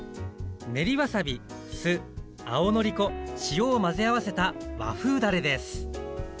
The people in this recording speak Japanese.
練りわさび酢青のり粉塩を混ぜ合わせた和風だれです